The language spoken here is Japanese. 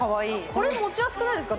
これも持ちやすくないですか？